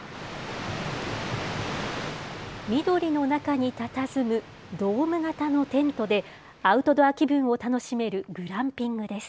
緑の中にたたずむドーム型のテントで、アウトドア気分を楽しめるグランピングです。